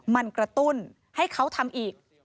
มันกระตุ้นให้เขาทำอีก